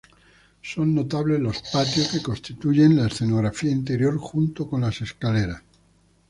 Son notables los patios, que constituyen la escenografía interior junto con las escaleras.